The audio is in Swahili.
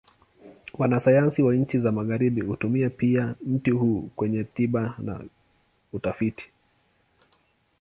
Wanasayansi wa nchi za Magharibi hutumia pia mti huu kwenye tiba na utafiti.